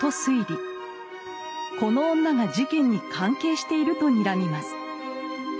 この女が事件に関係しているとにらみます。